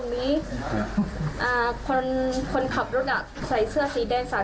พ่อมีปืนอยู่ข้างค่ะปืนสั้น